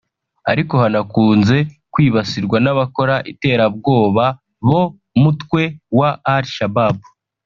ariko hanakunze kwibasirwa n’abakora iterabwoba bo mutwe wa Al-shabaab